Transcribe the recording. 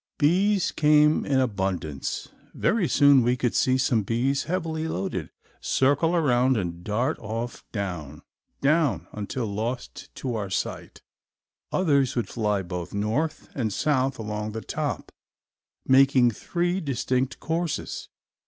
Bees came in abundance. Very soon we could see some bees, heavily loaded, circle around and dart off down, down, until lost to our sight. Others would fly both north and south along the top, making three distinct courses.